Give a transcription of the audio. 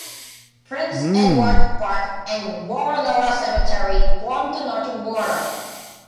Prince Edward Park and Woronora Cemetery form the northern border.